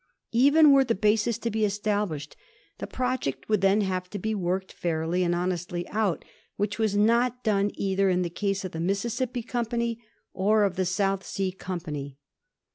Even were the basis to be established, the project would then have to be worked fairly and honestly out, which was not done either in the case of the Mississippi Company or of the South Sea Com pany.